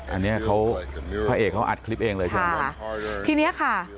อันนี้พระเอกทำอัดคลิปเมื่อหนึ่ง